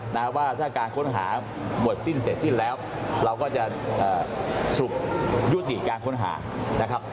นะว่าถ้าการค้นหาหมดสิ้นเสร็จสิ้นแล้วเราก็จะเอ่อสรุปยุติการค้นหานะครับ